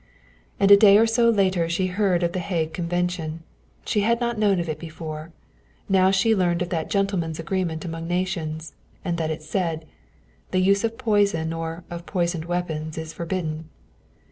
And a day or so later she heard of The Hague Convention. She had not known of it before. Now she learned of that gentlemen's agreement among nations, and that it said: "The use of poison or of poisoned weapons is forbidden."